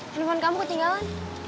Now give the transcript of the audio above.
telepon kamu ketinggalan